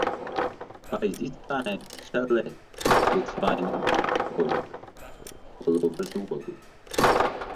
By this time Shalet was finding work all over the world.